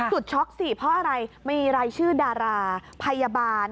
ช็อกสิเพราะอะไรมีรายชื่อดาราพยาบาล